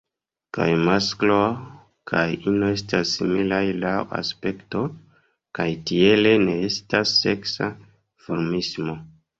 Kaj masklo kaj ino estas similaj laŭ aspekto, kaj tiele ne estas seksa duformismo.